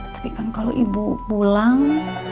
tapi kan kalau ibu pulang